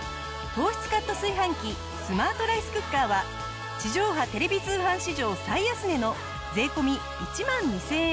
糖質カット炊飯器スマートライスクッカーは地上波テレビ通販史上最安値の税込１万２０００円。